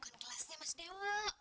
di sini bukan kelasnya mas dewa